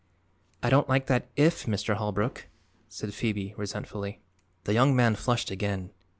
"I don't like that 'if,' Mr. Holbrook," said Phoebe resentfully. The young man flushed again.